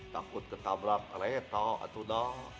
takut ketabrak reta atau dah